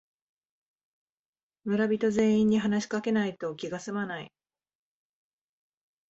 村人全員に話しかけないと気がすまない